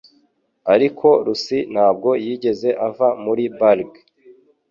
Ariko Lucy ntabwo yigeze ava muri burg